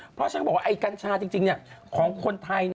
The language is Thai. เพราะฉะนั้นกัญชาจริงของคนไทย